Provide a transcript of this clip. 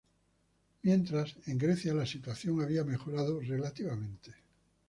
Mientras, en Grecia la situación había mejorado relativamente.